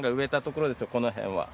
この辺は。